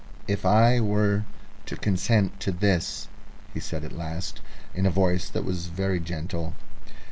"If I were to consent to this?" he said at last, in a voice that was very gentle.